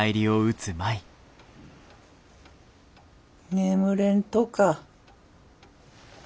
眠れんとか。